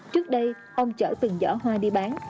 trước đây ông chở từng vỏ hoa đi bán